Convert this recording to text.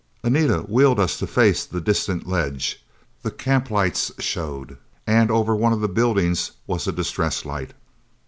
Anita wheeled us to face the distant ledge. The camp lights showed, and over one of the buildings was a distress light!